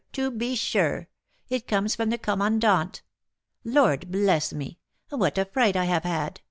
to be sure! it comes from the Commandant! Lord bless me, what a fright I have had!